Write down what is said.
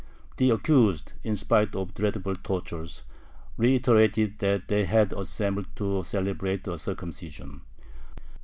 The accused, in spite of dreadful tortures, reiterated that they had assembled to celebrate a circumcision.